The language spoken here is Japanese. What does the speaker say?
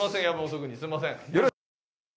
夜分遅くにすみません。